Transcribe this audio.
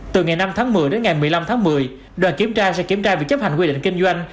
từ ngày năm tháng một mươi đến ngày một mươi năm tháng một mươi đoàn kiểm tra sẽ kiểm tra việc chấp hành quy định kinh doanh